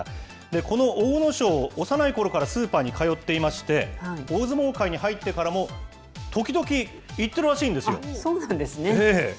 この阿武咲、幼いころからスーパーに通っていまして、大相撲界に入ってからも、時々、行ってるらそうなんですね。